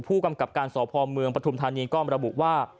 ผู้กำกับการสพเมืองปฐุมธานีก็ระบุว่า